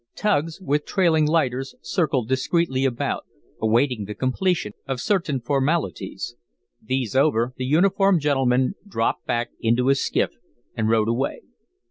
Tugs with trailing lighters circled discreetly about, awaiting the completion of certain formalities. These over, the uniformed gentleman dropped back into his skiff and rowed away.